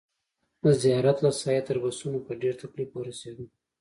د زیارت له ساحې تر بسونو په ډېر تکلیف ورسېدو.